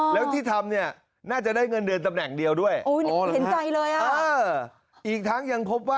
แล้วที่ทำเนี่ยน่าจะได้เงินเดือนตำแหน่งเดียวด้วย